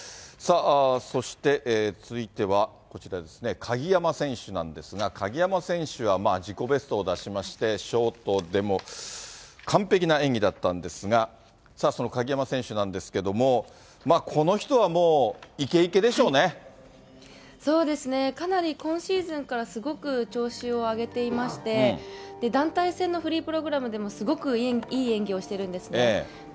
さあ、そして続いては、こちらですね、鍵山選手なんですが、鍵山選手は自己ベストを出しまして、ショートでも完璧な演技だったんですが、その鍵山選手なんですけれども、この人はもう、そうですね、かなり今シーズンからすごく調子を上げていまして、団体戦のフリープログラムでも、すごくいい演技をしてるんですね。